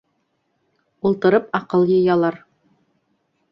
Ултырып аҡыл йыялар.